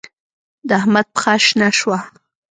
د احمد پښه شنه شوه.